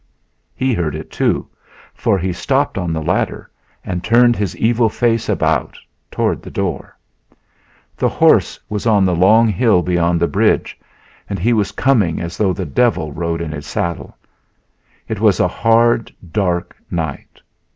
He heard it, too, for he stopped on the ladder and turned his evil face about toward the door. The horse was on the long hill beyond the bridge, and he was coming as though the devil rode in his saddle. It was a hard, dark night.